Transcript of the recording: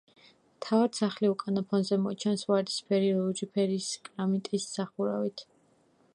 თავად სახლი უკანა ფონზე მოჩანს, ვარდისფერი, ლურჯი ფერის კრამიტის სახურავით.